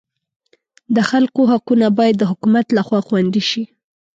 د خلکو حقونه باید د حکومت لخوا خوندي شي.